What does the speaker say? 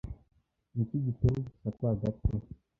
Niki gitera urusaku hagati